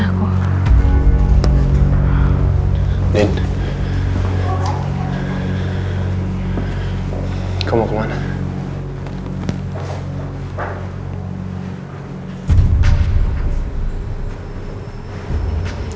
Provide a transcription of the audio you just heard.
aku gak bisa ketemu mama lagi